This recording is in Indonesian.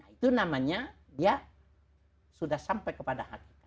itu namanya dia sudah sampai kepada hati